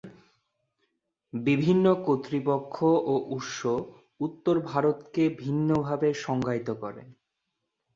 বিভিন্ন কর্তৃপক্ষ এবং উৎস উত্তর ভারতকে ভিন্নভাবে সংজ্ঞায়িত করে।